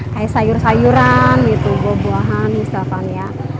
kayak sayur sayuran gitu buah buahan misalkan ya